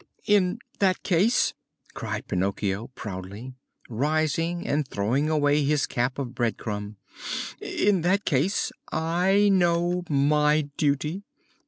"In that case," cried Pinocchio proudly, rising and throwing away his cap of bread crumb "in that case I know my duty.